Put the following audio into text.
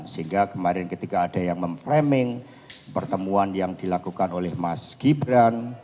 sehingga kemarin ketika ada yang memframing pertemuan yang dilakukan oleh mas gibran